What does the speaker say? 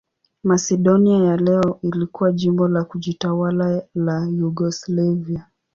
Masedonia ya leo ilikuwa jimbo la kujitawala la Yugoslavia.